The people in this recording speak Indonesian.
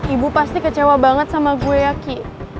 ibu pasti kecewa banget sama gue ya ki